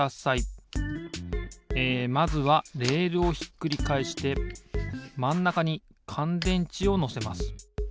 えまずはレールをひっくりかえしてまんなかにかんでんちをのせます。